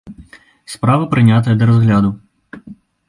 Справа прынятая да разгляду.